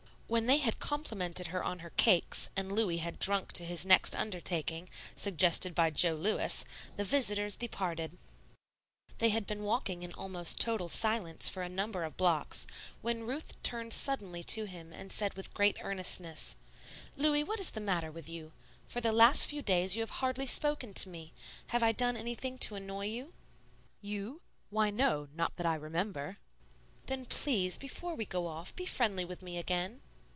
When they had complimented her on her cakes and Louis had drunk to his next undertaking, suggested by Jo Lewis, the visitors departed. They had been walking in almost total silence for a number of blocks, when Ruth turned suddenly to him and said with great earnestness, "Louis, what is the matter with you? For the last few days you have hardly spoken to me. Have I done anything to annoy you?" "You? Why, no, not that I remember." "Then, please, before we go off, be friendly with me again."